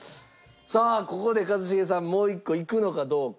さあここで一茂さんもう１個いくのかどうか。